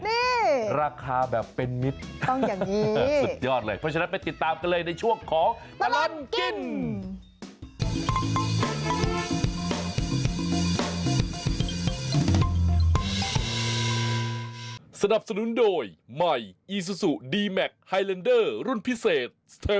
นี่ราคาแบบเป็นมิตรสุดยอดเลยเพราะฉะนั้นไปติดตามกันเลยในช่วงของตลอดกิน